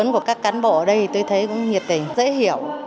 của các cán bộ ở đây tôi thấy cũng nhiệt tình dễ hiểu